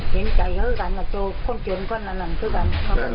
เห็นใจเข้ากันกับคนเจียงคนอื่น